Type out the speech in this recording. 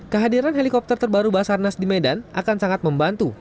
kehadiran helikopter terbaru basarnas di medan akan sangat membantu